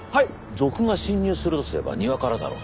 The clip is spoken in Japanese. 賊が侵入するとすれば庭からだろう。